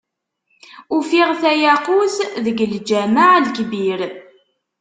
Ufiɣ tayaqut, deg lǧameɛ Lekbir.